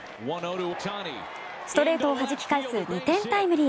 ストレートをはじき返す２点タイムリー。